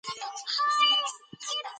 که ښځینه ډاکټرانې وي نو ناروغانې نه شرمیږي.